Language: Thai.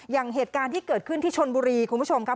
อย่างเหตุการณ์ที่เกิดขึ้นที่ชนบุรีคุณผู้ชมครับ